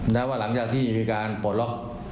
แล้วหลังจากที่มีการโปรดล๊อก